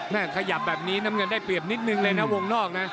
ขยับแบบนี้น้ำเงินได้เปรียบนิดนึงเลยนะวงนอกนะ